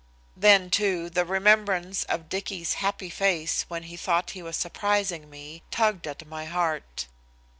Then, too, the remembrance of Dicky's happy face when he thought he was surprising me tugged at my heart.